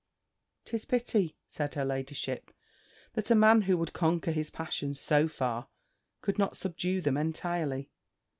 "'Tis pity," said her ladyship, "that a man who could conquer his passions so far, could not subdue them entirely.